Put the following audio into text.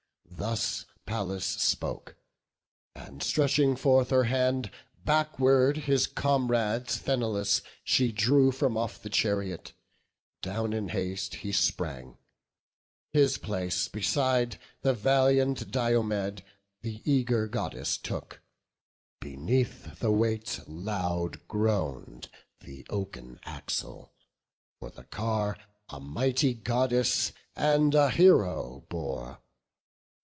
Thus Pallas spoke, and stretching forth her hand Backward his comrade Sthenelus she drew From off the chariot; down in haste he sprang. His place beside the valiant Diomed The eager Goddess took; beneath the weight Loud groan'd the oaken axle; for the car A mighty Goddess and a Hero bore.